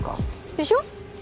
でしょ？